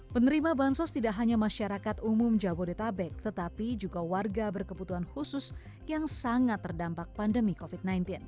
penerima bantuan sosial tidak hanya masyarakat umum jabodetabek tetapi juga warga berkebutuhan khusus yang sangat terdampak pandemi covid sembilan belas